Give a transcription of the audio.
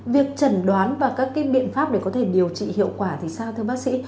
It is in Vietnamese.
việc trần đoán và các biện pháp để có thể điều trị hiệu quả thì sao thưa bác sĩ